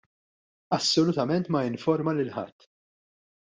Assolutament ma informa lil ħadd!